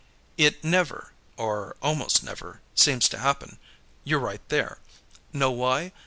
"It never ... or almost never ... seems to happen; you're right there. Know why?